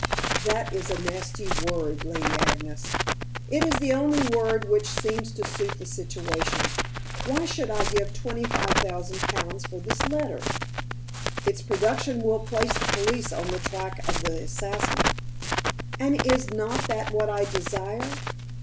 "That is a nasty word, Lady Agnes." "It is the only word which seems to suit the situation. Why should I give twenty five thousand pounds for this letter?" "Its production will place the police on the track of the assassin." "And is not that what I desire?